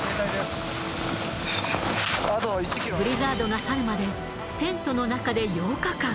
ブリザードが去るまでテントの中で８日間。